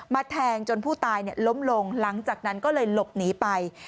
แทงจนผู้ตายล้มลงหลังจากนั้นก็เลยหลบหนีไป